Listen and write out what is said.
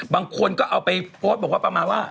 บางคนก็เอาไปโพสต์บอกว่าประมาณว่า